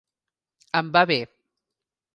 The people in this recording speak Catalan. Em va bé.